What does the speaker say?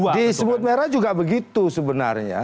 di semut merah juga begitu sebenarnya